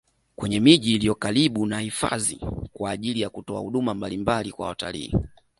Kwenye miji iliyo karibu na hifadhi kwa ajili ya kutoa huduma mbalimbali kwa watalii